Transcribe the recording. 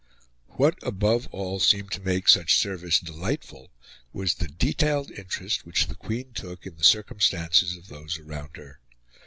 What, above all, seemed to make such service delightful was the detailed interest which the Queen took in the circumstances of those around her.